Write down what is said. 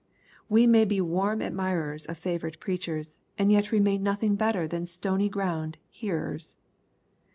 We may be warm admirers of favorite preachers, and yet remain nothing better than stony ground hearers.